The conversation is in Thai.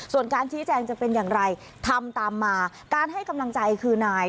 ส่วนการชี้แจงจะเป็นอย่างไรทำตามมาการให้กำลังใจคือนาย